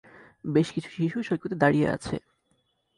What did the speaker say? বেশ কিছু শিশু সৈকতে দাঁড়িয়ে আছে।